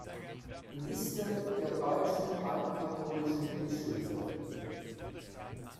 Liste der deutschen altkatholischen Bischöfe